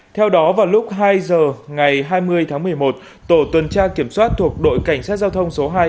theo đó vào lúc hai giờ ngày hai mươi tháng một mươi một tổ tuần tra kiểm soát thuộc đội cảnh sát giao thông số hai